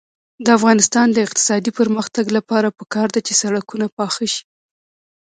د افغانستان د اقتصادي پرمختګ لپاره پکار ده چې سړکونه پاخه شي.